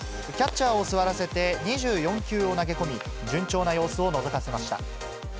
キャッチャーを座らせて２４球を投げ込み、順調な様子をのぞかせました。